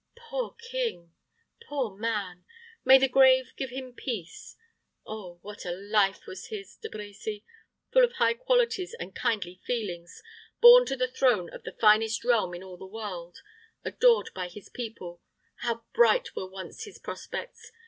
"Poor king poor man! May the grave give him peace! Oh, what a life was his, De Brecy! Full of high qualities and kindly feelings, born to the throne of the finest realm in all the world, adored by his people, how bright were once his prospects!